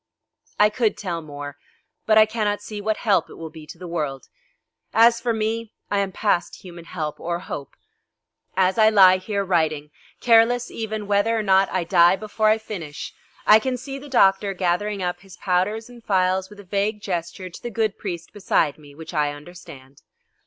I could tell more, but I cannot see what help it will be to the world. As for me, I am past human help or hope. As I lie here, writing, careless even whether or not I die before I finish, I can see the doctor gathering up his powders and phials with a vague gesture to the good priest beside me, which I understand.